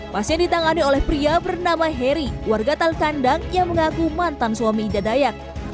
pasien ditangani oleh pria bernama heri warga talkandang yang mengaku mantan suami ida dayak